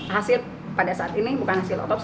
hasil pada saat ini bukan hasil otopsi